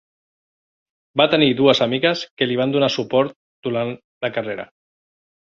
Va tenir dues amigues que li van donar suport durant la carrera.